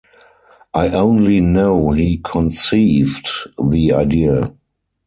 I only know he conceived the idea.